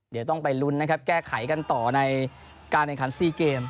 เดี๋ยวต้องไปลุ้นนะครับแก้ไขกันต่อในการแข่งขัน๔เกม